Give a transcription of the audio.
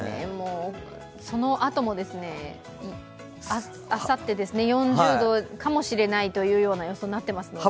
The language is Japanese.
そのあとも、あさって、４０度かもしれないというような予想になっていますので。